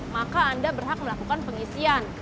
maka anda berhak melakukan pengisian